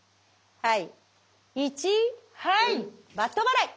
はい。